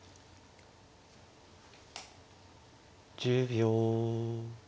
１０秒。